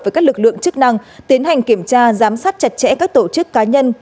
với các lực lượng chức năng tiến hành kiểm tra giám sát chặt chẽ các tổ chức cá nhân